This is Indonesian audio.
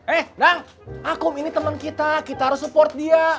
eh dah akum ini teman kita kita harus support dia